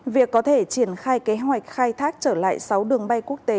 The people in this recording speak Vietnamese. việc có thể triển khai kế hoạch khai thác trở lại sáu đường bay quốc tế